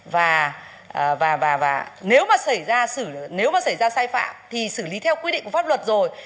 và nếu mà xảy ra sai phạm thì xử lý theo quy định của pháp luật rồi